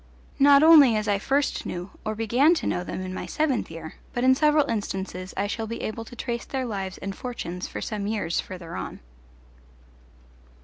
Not only as I first knew or began to know them in my seventh year, but in several instances I shall be able to trace their lives and fortunes for some years further on.